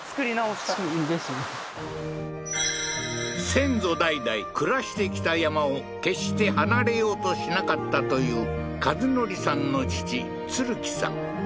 先祖代々暮らしてきた山を決して離れようとしなかったという和則さんの父鶴喜さん